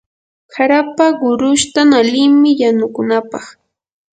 harapa qurushtan alimi yanukunapaq.